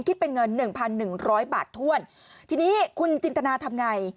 คิดเป็นเงิน๑๑๐๐บาทถ้วนทีนี้คุณจินตนาทำไง